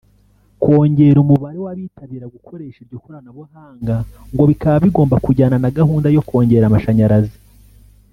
Kongera umubare w’abitabira gukoresha iryo koranabuhanga ngo bikaba bigomba kujyana na gahunda yo kongera amashanyarazi